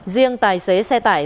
riêng tài xế xe tải